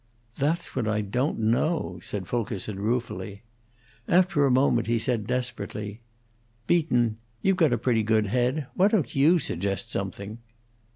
"That's what I don't know," said Fulkerson, ruefully. After a moment he said, desperately, "Beaton, you've got a pretty good head; why don't you suggest something?"